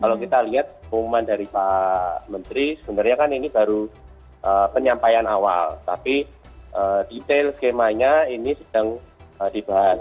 kalau kita lihat pengumuman dari pak menteri sebenarnya kan ini baru penyampaian awal tapi detail skemanya ini sedang dibahas